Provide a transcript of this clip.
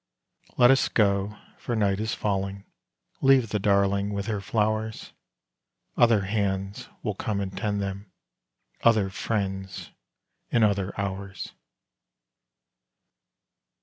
Let us go, for night is falling; leave the darling with her flowers; Other hands will come and tend them other friends in other hours.